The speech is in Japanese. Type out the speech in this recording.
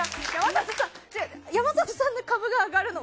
山里さんの株が上がるのが。